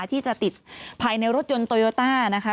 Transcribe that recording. ที่จะติดภายในรถยนต์โตโยต้านะคะ